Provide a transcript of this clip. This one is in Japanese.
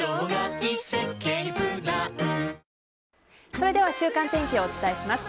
それでは週間天気をお伝えします。